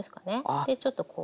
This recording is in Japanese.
でちょっとこう。